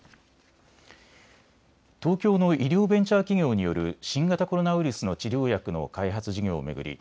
東京の医療ベンチャー企業による新型コロナウイルスの治療薬の開発事業を巡り